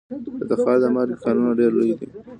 د تخار د مالګې کانونه ډیر لوی دي